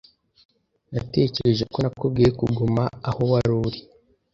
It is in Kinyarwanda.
Natekereje ko nakubwiye kuguma aho wari uri.